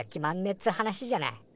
っつう話じゃない。